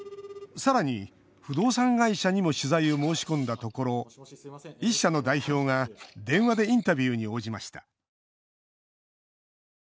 さらに不動産会社にも取材を申し込んだところ１社の代表が電話でインタビューに応じました。